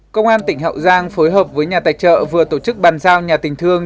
công an tỉnh hậu giang phối hợp với nhà tài trợ vừa tổ chức bàn giao nhà tình thương